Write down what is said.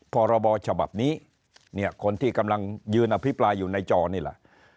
พตเชนี้คนที่กำลังยืนอภิปราณอยู่ในจอนี่แหละ